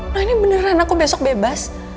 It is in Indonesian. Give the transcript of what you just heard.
nah ini beneran aku besok bebas